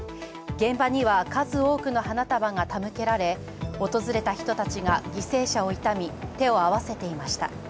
現場には数多くの花束が手向けられ、訪れた人たちが犠牲者を悼み、手を合わせていました。